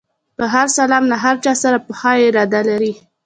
په هر سلام له هر چا سره پخه اراده لري.